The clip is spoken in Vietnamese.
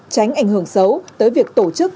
tránh ảnh hưởng xấu tới việc tổ chức